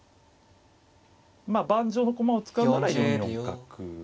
まあ盤上の駒を使うなら４四角。